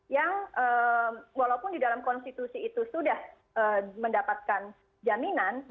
yang walaupun di dalam konstitusi itu sudah mendapatkan jaminan